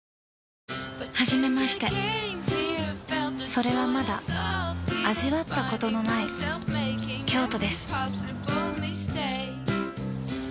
初めましてそれはまだ味わったことのないこんばんは。